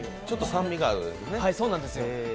ちょっと酸味があるんですよね。